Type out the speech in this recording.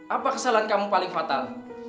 apa kesalahan kamu paling fatal